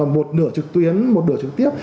một nửa trực tuyến một nửa trực tiếp